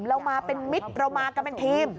เรามาเป็นมิตรเรามากันเป็นทีม